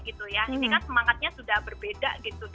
ini kan semangatnya sudah berbeda gitu